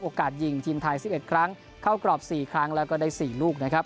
ยิงทีมไทย๑๑ครั้งเข้ากรอบ๔ครั้งแล้วก็ได้๔ลูกนะครับ